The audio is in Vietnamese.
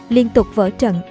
liên tục vỡ trận